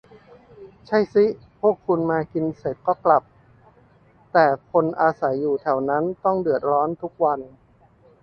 ใช่สิ พวกคุณมากินเสร็จก็กลับ แต่คนอาศัยอยู่แถวนั้นต้องเดือดร้อนทุกวัน